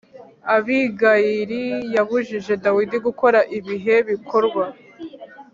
abigayili yabujije dawidi gukora ibihe bikorwa